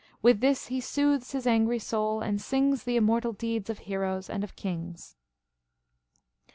With this he soothes his angry soul, and sings The immortal deeds of heroes and of kings.